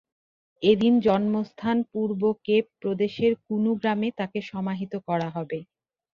এদিন জন্মস্থান পূর্ব কেপ প্রদেশের কুনু গ্রামে তাঁকে সমাহিত করা হবে।